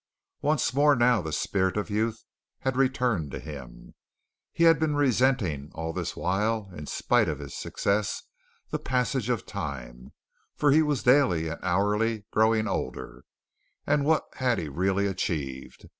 Once more now the spirit of youth had returned to him. He had been resenting all this while, in spite of his success, the passage of time, for he was daily and hourly growing older, and what had he really achieved?